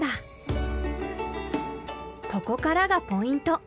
ここからがポイント。